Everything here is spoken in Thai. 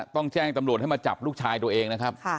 ต้องแจ้งตำรวจให้มาจับลูกชายตัวเองนะครับ